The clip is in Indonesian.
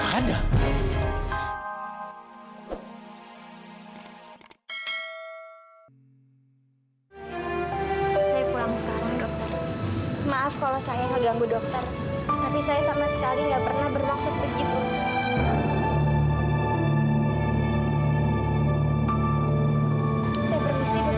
saya permisi dokter